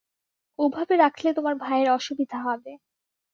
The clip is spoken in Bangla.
ওভাবে রাখলে তোমার ভাইয়ের অসুবিধা হবে।